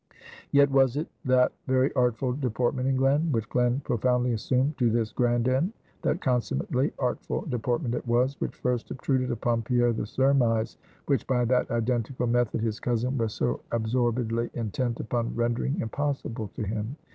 Yet was it that very artful deportment in Glen, which Glen profoundly assumed to this grand end; that consummately artful deportment it was, which first obtruded upon Pierre the surmise, which by that identical method his cousin was so absorbedly intent upon rendering impossible to him.